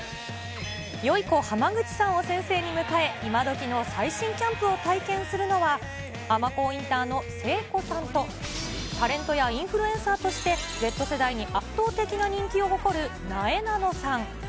よゐこ・濱口さんを先生に迎え、イマドキの最新キャンプを体験するのは、尼神インターの誠子さんと、タレントやインフルエンサーとしてＺ世代に圧倒的な人気を誇るなえなのさん。